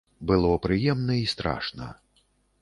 Было прыемна і страшна.